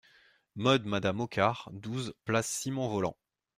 Modes Madame Hoccart, douze, Place Simon-Vollant.